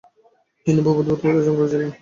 তিনি প্রভূত ব্যুৎপত্তি অর্জন করে ছিলেন।